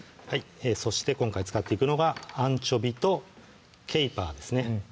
そして今回使っていくのがアンチョビーとケイパーですね